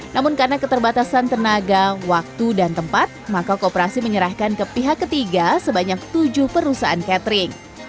namun karena keterbatasan tenaga waktu dan tempat maka kooperasi menyerahkan ke pihak ketiga sebanyak tujuh perusahaan catering